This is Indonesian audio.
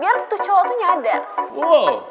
biar tuh cowok tuh nyadar